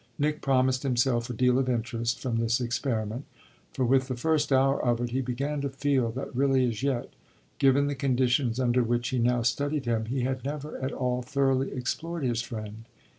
Nick promised himself a deal of interest from this experiment, for with the first hour of it he began to feel that really as yet, given the conditions under which he now studied him, he had never at all thoroughly explored his friend.